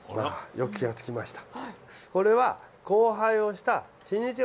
よく気が付きました。